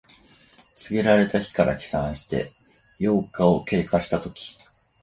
告げられた日から起算して八日を経過したとき。